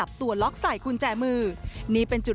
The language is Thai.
ยังมีเหลืออยู่